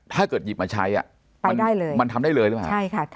ถ้าเกิดหยิบมาใช้อ่ะมันได้เลยมันทำได้เลยหรือเปล่าใช่ค่ะ